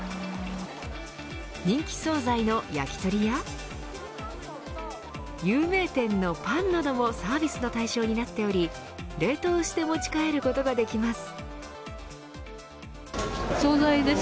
人気総菜の焼き鳥や有名店のパンなどもサービスの対象になっており冷凍して持ち帰ることができます。